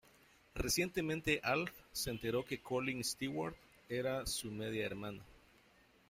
Recientemente Alf se enteró que Colleen Stewart era su media hermana.